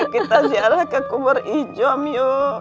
kita jalan ke kubur ijom yuk